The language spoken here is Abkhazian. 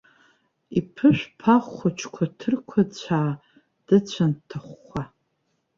Иԥышә ԥахә хәыҷқәа ҭырқәацәаа, дыцәан дҭахәхәа.